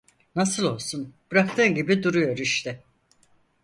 Nasıl olsun, bıraktığın gibi duruyor işte.